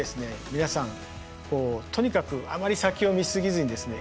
皆さんこうとにかくあまり先を見すぎずにですね